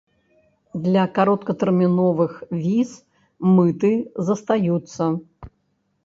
Для кароткатэрміновых віз мыты застаюцца.